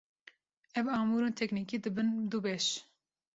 Ev amûrên teknîkî dibin du beş.